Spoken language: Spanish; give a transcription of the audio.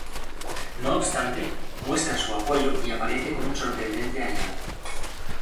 No obstante, muestra su apoyo y aparece con un sorprendente aliado.